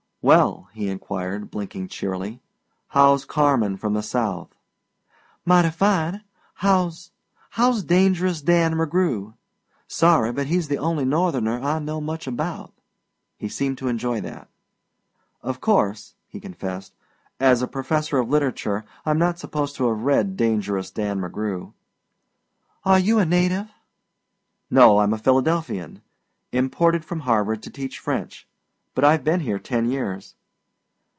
"Well," he inquired, blinking cheerily, "how's Carmen from the South?" "Mighty fine. How's how's Dangerous Dan McGrew? Sorry, but he's the only Northerner I know much about." He seemed to enjoy that. "Of course," he confessed, "as a professor of literature I'm not supposed to have read Dangerous Dan McGrew." "Are you a native?" "No, I'm a Philadelphian. Imported from Harvard to teach French. But I've been here ten years."